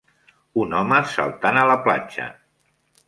Un home saltant a la platja.